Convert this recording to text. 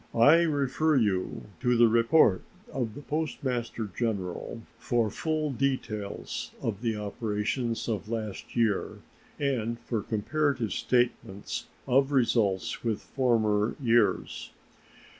I refer you to the report of the Postmaster General for full details of the operations of last year and for comparative statements of results with former years.